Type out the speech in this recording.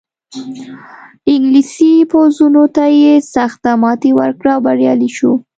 انګلیسي پوځونو ته یې سخته ماتې ورکړه او بریالی شو.